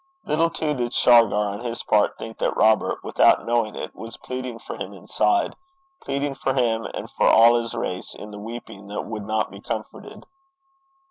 Little, too, did Shargar, on his part, think that Robert, without knowing it, was pleading for him inside pleading for him and for all his race in the weeping that would not be comforted.